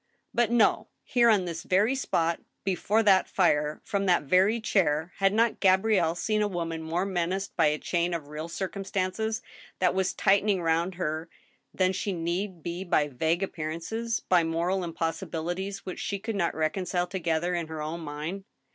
But, no ! Here, on this very spot, before that fire, from that very chair, had not Gabrielle seen a woman more menaced by a chain of real circumstances, that was tightening round her, than she need be by vague appearances, by moral impossibilities which she could not reconcile together in her own mind